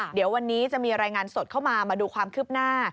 เดี๋ยววันนี้จะมีรายงานสดเข้ามามาดูความคืบหน้า